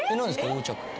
横着って。